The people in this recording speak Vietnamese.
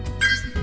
các em thích đỡ